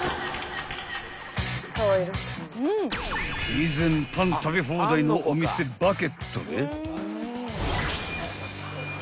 ［以前パン食べ放題のお店バケットで］